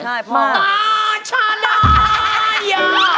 ตอชะดออย